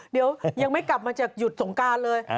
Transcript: เดี๋ยวยังไม่กลับมาจากหยุดสงการเลย